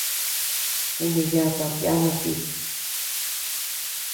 Kuneyatad yana ti.